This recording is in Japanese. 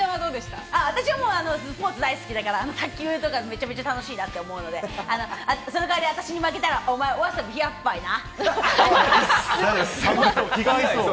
私はスポーツ大好きだから、卓球とかめちゃめちゃ楽しいなって思うので、あたしに負けたらお前わさび１００杯な！